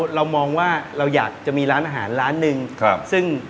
เรามองว่าเราอยากจะมีร้านอาหารร้านหนึ่งซึ่ง